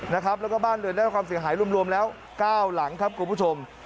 แล้วก็บ้านเรือนได้รับความเสียหายรวมแล้ว๙หลังครับคุณผู้ชม